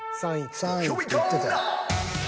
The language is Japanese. ３位って言ってた。